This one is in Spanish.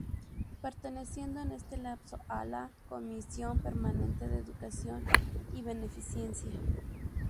Perteneciendo en este lapso a la Comisión permanente de Educación y Beneficencia.